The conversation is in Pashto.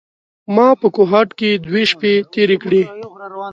ما په کوهاټ کې دوې شپې تېرې کړې.